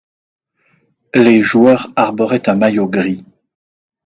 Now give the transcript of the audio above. Les joueurs arboraient un maillot gris.